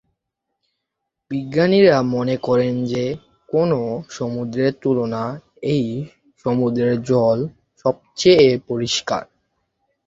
বিজ্ঞানীরা মনে করেন যে কোনও সমুদ্রের তুলনা এই সমুদ্রের জল সবচেয়ে পরিষ্কার।